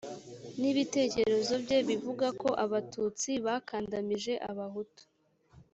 n ibitekerezo bye bivuga ko abatutsi bakandamije abahutu